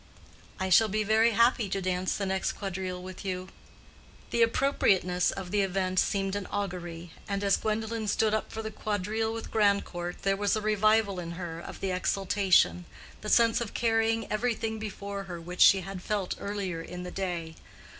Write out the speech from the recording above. "I shall be very happy to dance the next quadrille with you." The appropriateness of the event seemed an augury, and as Gwendolen stood up for the quadrille with Grandcourt, there was a revival in her of the exultation—the sense of carrying everything before her, which she had felt earlier in the day.